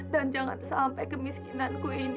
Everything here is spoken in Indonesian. dan jangan sampai kemiskinanku ya allah